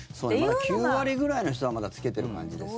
まだ９割ぐらいの人はまだ着けてる感じですね。